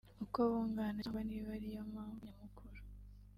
uko bungana cyangwa niba ari yo mpamvu nyamukuru